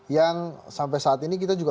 yang sampai saat ini kita juga